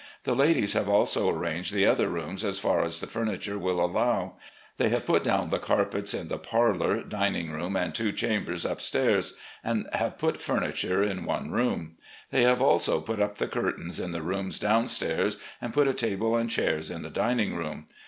The ladies have also arranged the other rooms as far as the furniture will allow. They have put down the carpets in the parlour, dining room, and two chambers 402 RECOLLECTIONS OP GENERAL LEE upstairs, and have put furniture in one room. They have also put up the curtains in the rooms downstairs, and put a table and chairs in the dining room.